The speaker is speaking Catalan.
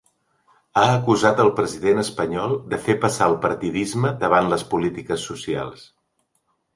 Ha acusat el president espanyol de fer passar el partidisme davant les polítiques socials.